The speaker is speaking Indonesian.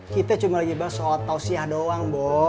kita cuma lagi ber solot tausiyah doang bu